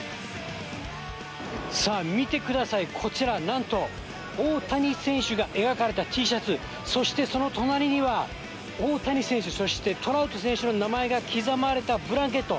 さあ、見てください、こちら、なんと、大谷選手が描かれたＴシャツ、そしてその隣には、大谷選手、そしてトラウト選手の名前が刻まれたブランケット。